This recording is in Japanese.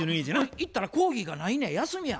行ったら講義がないねん休みや。